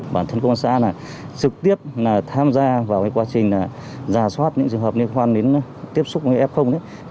bản thân công an xã là trực tiếp tham gia vào quá trình giả soát những trường hợp liên quan đến tiếp xúc với f